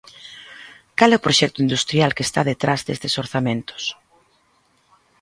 ¿Cal é o proxecto industrial que está detrás destes orzamentos?